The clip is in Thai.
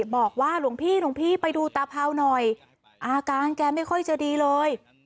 บอกว่าหลวงพี่หลวงพี่ไปดูตาเผาหน่อยอาการแกไม่ค่อยจะดีเลย